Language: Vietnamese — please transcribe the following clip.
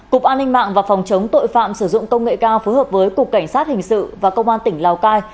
cục an ninh mạng và phòng chống tội phạm sử dụng công nghệ cao phối hợp với cục cảnh sát hình sự và công an tỉnh lào cai